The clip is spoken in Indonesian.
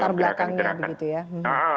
latar belakangnya begitu ya